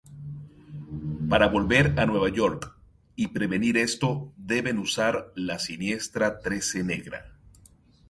Para volver a Nueva York y prevenir esto, deben usar la siniestra Trece Negra.